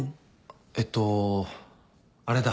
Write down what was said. えっとあれだ。